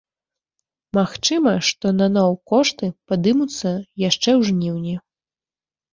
Магчыма, што наноў кошты падымуцца яшчэ ў жніўні.